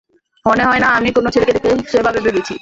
মনেহয় না আমি কোনো ছেলেকে দেখে সেভাবে ভেবেছি।